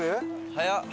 早っ！